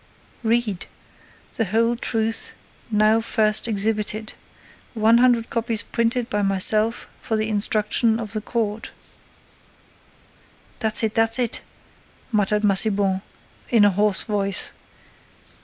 "Read: The Whole Truth now first exhibited. One hundred copies printed by myself for the instruction of the Court." "That's it, that's it," muttered Massiban, in a hoarse voice.